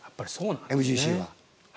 ＭＧＣは。